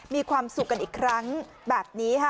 มีความสุขกันอีกครั้งแบบนี้ค่ะ